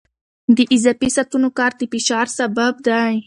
د اضافي ساعتونو کار د فشار سبب دی.